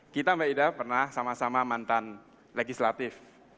kita mbak ida pernah sama sama mantan legislatif